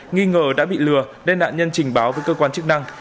nghi ngờ đã bị lừa nên nạn nhân trình báo với cơ quan chức năng